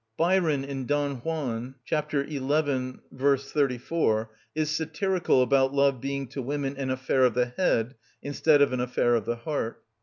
Byron in "Don Juan," c. xi. v. 34, is satirical about love being to women an affair of the head instead of an affair of the heart.